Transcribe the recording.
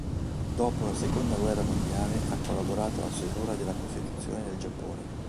Dopo la seconda guerra mondiale ha collaborato alla stesura della costituzione del Giappone.